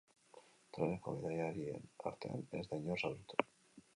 Treneko bidaiarien artean ez da inor zauritu.